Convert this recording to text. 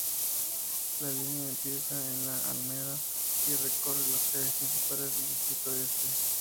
La línea empieza en la Alameda, y recorre las calles principales del distrito este.